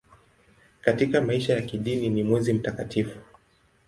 Katika maisha ya kidini ni mwezi mtakatifu.